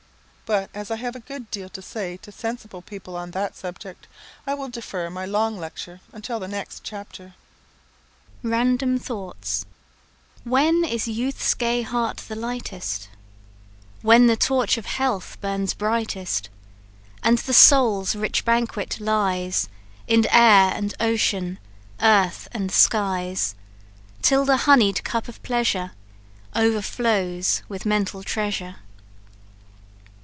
But as I have a good deal to say to sensible people on that subject, I will defer my long lecture until the next chapter. Random Thoughts. "When is Youth's gay heart the lightest? When the torch of health burns brightest, And the soul's rich banquet lies In air and ocean, earth and skies; Till the honied cup of pleasure Overflows with mental treasure.